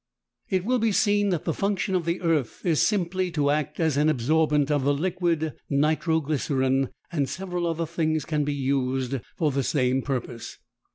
It will be seen that the function of the "earth" is simply to act as an absorbent of the liquid nitro glycerine, and several other things can be used for the same purpose.